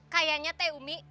kayaknya teh umi